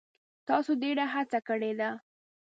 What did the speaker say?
تاسو ډیره هڅه کړې ده.